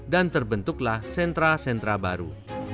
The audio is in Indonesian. dan terbentuklah sentra sentra baru